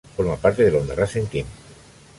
Forma parte del Honda Racing Team.